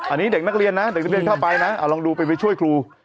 อันนี้เด็กนักเรียนนะเด็กนักเรียนเข้าไปนะเอาลองดูไปไปช่วยครู